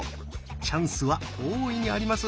チャンスは大いにあります。